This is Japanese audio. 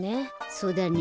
そうだね。